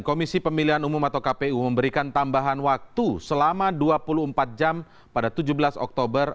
komisi pemilihan umum atau kpu memberikan tambahan waktu selama dua puluh empat jam pada tujuh belas oktober